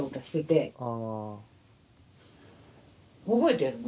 覚えてるの？